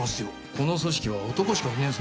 この組織は男しかいねえぞ。